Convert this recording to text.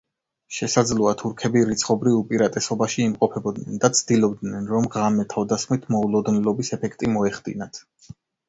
შესაძლოა თურქები რიცხობრივ უპირატესობაში იმყოფებოდნენ და ცდილობდნენ, რომ ღამე თავდასხმით მოულოდნელობის ეფექტი მოეხდინათ.